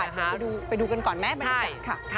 เดี๋ยวไปดูกันก่อนไหมบรรยากาศค่ะ